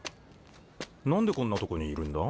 何でこんなとこにいるんだ？